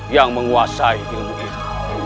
yang menguasai ilmu itu